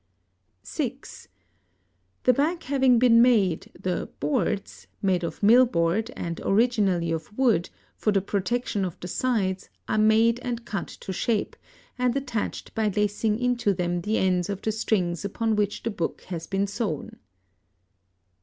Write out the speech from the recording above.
(6) The back having been made, the "boards" (made of millboard, and originally of wood) for the protection of the sides are made and cut to shape, and attached by lacing into them the ends of the strings upon which the book has been sewn.